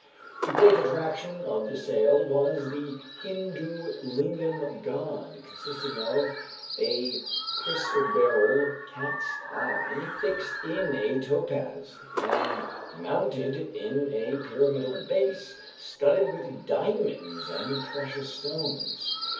The great attraction of the sale was "The Hindoo Lingam God," consisting of a chrysoberyl cat's eye fixed in a topaz, and mounted in a pyramidal base studded with diamonds and precious stones.